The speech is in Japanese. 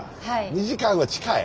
２時間は近い？